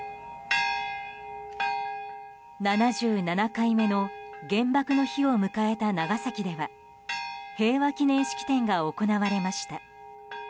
７７回目の原爆の日を迎えた長崎では平和祈念式典が行われました。